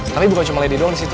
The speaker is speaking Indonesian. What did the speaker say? tapi bukan cuma lady doang di situ